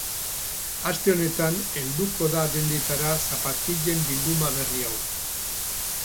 Aste honetan helduko da dendetara zapatilen bilduma berri hau.